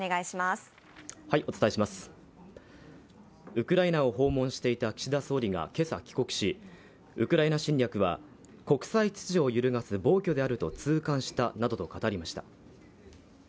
ウクライナを訪問していた岸田総理が今朝、帰国しウクライナ侵略は国際秩序を揺るがす暴挙であると痛感したなどと語りました。